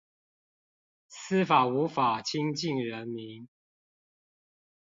司法無法親近人民